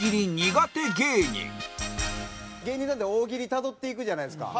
芸人さんって大喜利たどっていくじゃないですか。